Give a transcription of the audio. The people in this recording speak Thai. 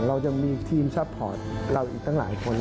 เรายังมีทีมซัพพอร์ตเราอีกตั้งหลายคน